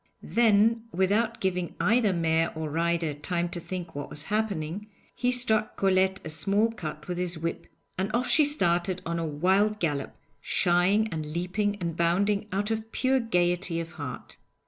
Then, without giving either mare or rider time to think what was happening, he struck Colette a smart cut with his whip, and off she started on a wild gallop, shying and leaping and bounding out of pure gaiety of heart.